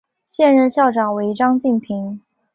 现任校长为张晋平。